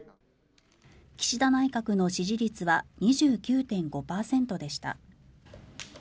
岸田内閣の支持率は２９．５％でした。